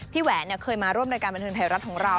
แหวนเคยมาร่วมรายการบันเทิงไทยรัฐของเรา